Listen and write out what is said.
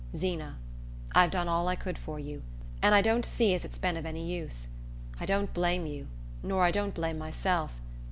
"Zeena, I've done all I could for you, and I don't see as it's been any use. I don't blame you, nor I don't blame myself.